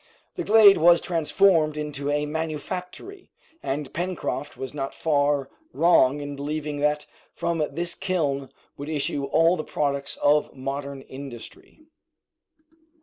The glade was transformed into a manufactory, and Pencroft was not far wrong in believing that from this kiln would issue all the products of modern industry.